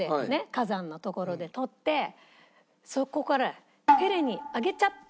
火山の所で撮ってそこから「ペレにあげちゃった」って言ったの。